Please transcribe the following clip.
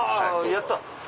やった！